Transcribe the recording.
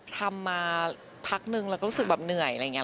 ทำมาพักหนึ่งเราก็รู้สึกเหนื่อยอะไรอย่างนี้